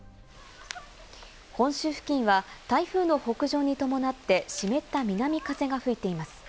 本州付近は台風の北上に伴って湿った南風が吹いています。